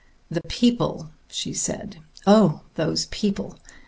"The people!" she said. "Oh, those people!